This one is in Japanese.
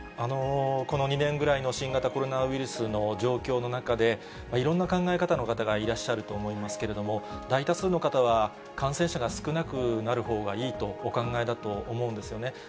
この２年ぐらいの新型コロナウイルスの状況の中で、いろんな考え方の方がいらっしゃると思いますけれども、大多数の方は感染者が少なくなるほうがいいとお考えだと思うんですよね。